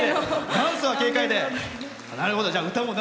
ダンス、軽快で。